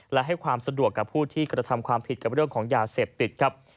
และให้ความสะดวกกับผู้ที่กระทำความผิดกับเรื่องของยาเสพติดครับ